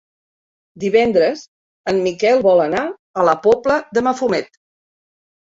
Divendres en Miquel vol anar a la Pobla de Mafumet.